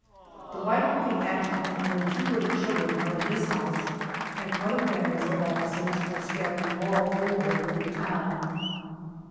The wife of the adjutant and her two little children are in this house, and other families of officers are scattered all over the little town.